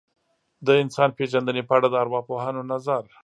د انسان پېژندنې په اړه د ارواپوهانو نظر.